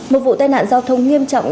một vụ tai nạn giao thông nghiêm trọng